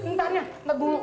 ntar ya ntar dulu